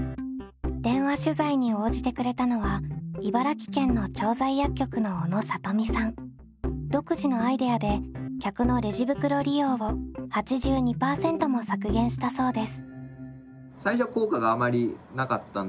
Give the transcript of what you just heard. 電話取材に応じてくれたのは茨城県の調剤薬局の独自のアイデアで客のレジ袋利用を８２％も削減したそうです。